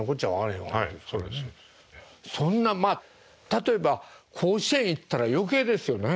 そんなまあ例えば甲子園行ったら余計ですよね。